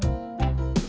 masukkan adonan tepung